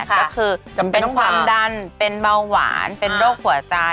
ก็คือเป็นความดันเป็นเบาหวานเป็นโรคหัวใจ